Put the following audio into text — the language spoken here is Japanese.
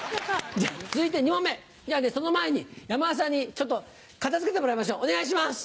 続いて２問目ではねその前に山田さんにちょっと片付けてもらいましょうお願いします。